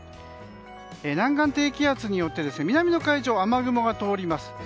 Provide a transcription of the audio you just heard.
南岸低気圧によって南の海上を雨雲が通ります。